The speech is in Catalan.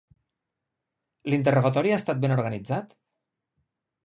L'interrogatori ha estat ben organitzat?